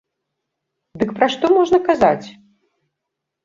Дык пра што можна казаць?